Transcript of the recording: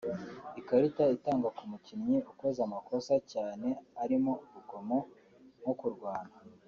Ikarita itangwa ku mukinnyi ukoze amakosa cyane arimo urugomo nko kurwana